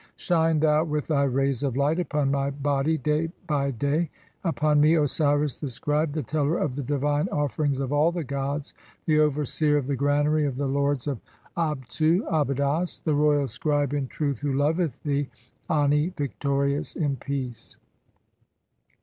Shine "thou with thy rays of light upon my body day by day, (15) "[upon me], Osiris the scribe, the teller of the divine offerings "of all the gods, the overseer of the granary of the lords of "Abtu (Abvdos), the royal scribe in truth who loveth thee ; Ani, "victorious in peace."